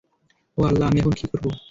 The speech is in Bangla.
ও আল্লাহ, আমি এখন কী করব?